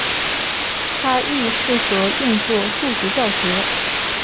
它亦适合用作数学教学。